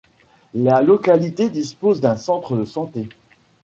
La localité dispose d'un centre de santé.